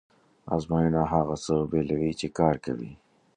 ازموینه هغه څه بېلوي چې کار کوي.